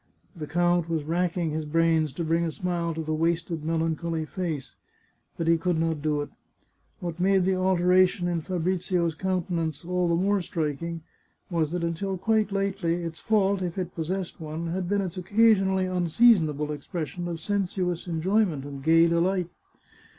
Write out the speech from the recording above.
The count was rack ing his brains to bring a smile to the wasted melancholy face. But he could not do it. What made the alteration in Fabrizio's countenance all the more striking was that until quite lately its fault, if it possessed one, had been its occa sionally unseasonable expression of sensuous enjoyment and gay delight.